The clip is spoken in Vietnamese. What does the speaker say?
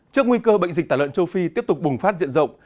trước nguy cơ bệnh dịch tả lợn châu phi tiếp tục bùng phát diện rộng